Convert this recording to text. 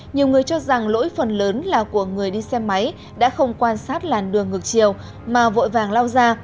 nhiều người cho rằng lỗi phần lớn là của người đi xe máy đã không quan sát làn đường ngược chiều mà vội vàng lao ra